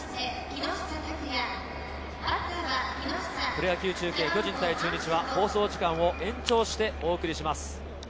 プロ野球中継、巨人対中日は放送時間を延長してお送りします。